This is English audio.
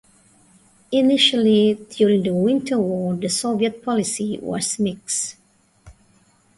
Initially during the Winter War, the Soviet policy was mixed.